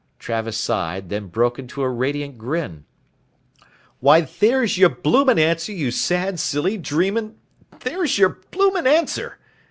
Travis sighed, then broke into a radiant grin. "Why there's your bloomin' answer, you sad silly dreamin' there's your bloomin' answer!"